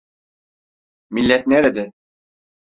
Millet nerede?